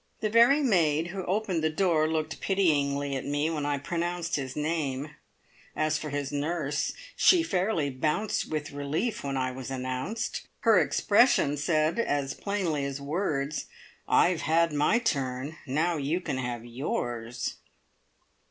The very maid who opened the door looked pityingly at me when I pronounced his name; as for his nurse, she fairly bounced with relief when I was announced. Her expression said as plainly as words, "I've had my turn now you can have yours!"